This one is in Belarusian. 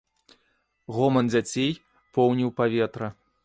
Гоман дзяцей поўніў паветра.